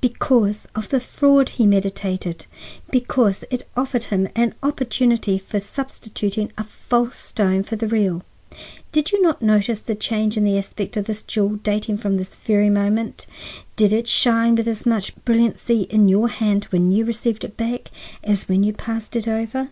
"Because of the fraud he meditated. Because it offered him an opportunity for substituting a false stone for the real. Did you not notice a change in the aspect of this jewel dating from this very moment? Did it shine with as much brilliancy in your hand when you received it back as when you passed it over?"